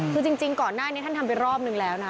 คือจริงก่อนหน้านี้ท่านทำไปรอบนึงแล้วนะ